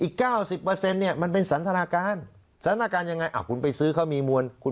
อีก๙๐เนี่ยมันเป็นสันทนาการสันทนาการยังไงอ่ะคุณไปซื้อเขามีมวล